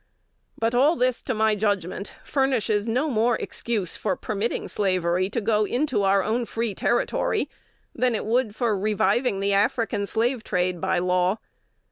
"But all this, to my judgment, furnishes no more excuse for permitting slavery to go into our own free territory than it would for reviving the African slave trade by law.